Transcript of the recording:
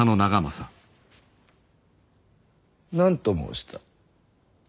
何と申した？